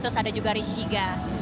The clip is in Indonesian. terus ada juga rishiga